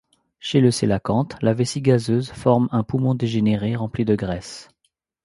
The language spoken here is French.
Chez le cœlacanthe, la vessie gazeuse forme un poumon dégénéré rempli de graisse.